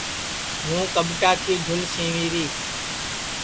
ہوں کٻٹا کی جُھول سیوری